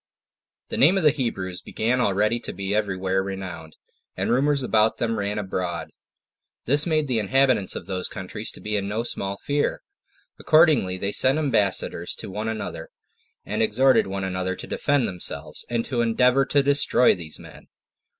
1. The name of the Hebrews began already to be every where renowned, and rumors about them ran abroad. This made the inhabitants of those countries to be in no small fear. Accordingly they sent ambassadors to one another, and exhorted one another to defend themselves, and to endeavor to destroy these men.